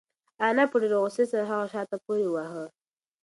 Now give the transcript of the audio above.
انا په ډېرې غوسې سره هغه شاته پورې واهه.